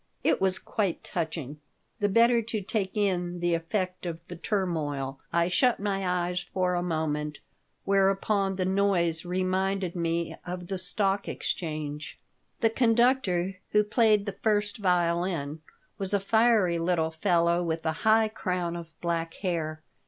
It was quite touching. The better to take in the effect of the turmoil, I shut my eyes for a moment, whereupon the noise reminded me of the Stock Exchange The conductor, who played the first violin, was a fiery little fellow with a high crown of black hair.